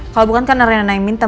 kalau bukan karena riana naik mintem